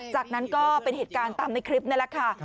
จากนั้นก็เป็นเหตุการณ์ตามในคลิปนี่แหละค่ะ